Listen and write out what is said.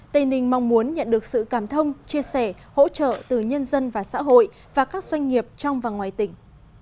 tây ninh mong muốn nhận được sự cảm thông chia sẻ hỗ trợ từ nhân dân và xã hội và các doanh nghiệp trong và ngoài tỉnh